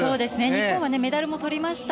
日本はメダルもとりました。